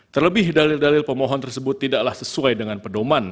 terlebih dalil dalil pemohon tersebut tidaklah sesuai dengan pedoman